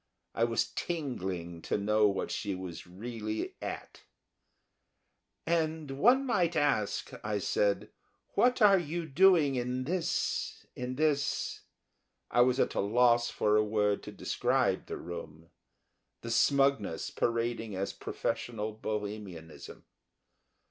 I was tingling to know what she was really at. "And one might ask," I said, "what you are doing in this in this...." I was at a loss for a word to describe the room the smugness parading as professional Bohemianism.